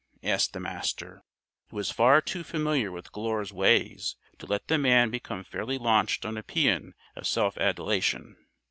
asked the Master, who was far too familiar with Glure's ways to let the man become fairly launched on a pæan of self adulation.